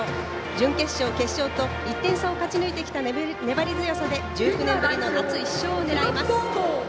準決勝、決勝と、１点差を勝ち抜いてきた粘り強さで１９年ぶりの夏１勝を狙います。